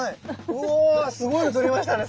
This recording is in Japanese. うぉすごいの撮りましたね。